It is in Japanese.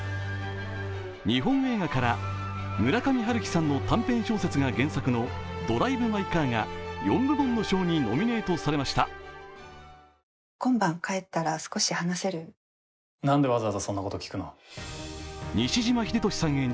日本映画から村上春樹さんの短編小説が原作の「ドライブ・マイ・カー」が４部門の賞にノミネートされました西島秀俊さん